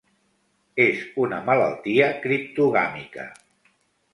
És una malaltia criptogàmica.